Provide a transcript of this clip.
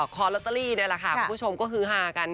คอลอตเตอรี่นี่แหละค่ะคุณผู้ชมก็คือฮากัน